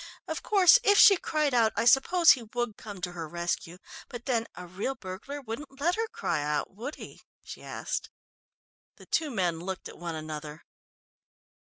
Of course, if she cried out, I suppose he would come to her rescue, but then a real burglar wouldn't let her cry out, would he?" she asked. The two men looked at one another.